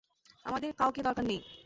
আমাদের কাউকে দরকার নেই।